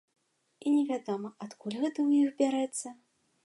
І невядома, адкуль гэта ў іх бярэцца.